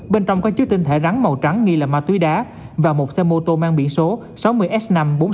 bên trong có chứa tinh thể rắn màu trắng nghi là ma túy đá và một xe mô tô mang biển số sáu mươi s năm mươi bốn nghìn sáu trăm một mươi ba